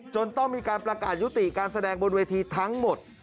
ต้องมีการประกาศยุติการแสดงบนเวทีทั้งหมด